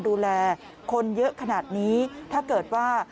กลับเข้ากันแล้วกัน